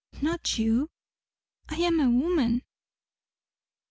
_" "Not you." "I am a woman."